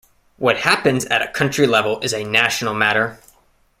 What happens at a country level is a National Matter.